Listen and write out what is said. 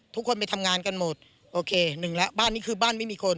ทุกคนไปทำงานกันหมดโอเคหนึ่งแล้วบ้านนี้คือบ้านไม่มีคน